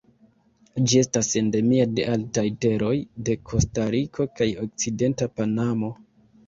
Ĝi estas endemia de altaj teroj de Kostariko kaj okcidenta Panamo.